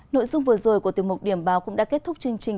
nội dung vừa rồi của tiếng mục điểm báo cũng đã kết thúc chương trình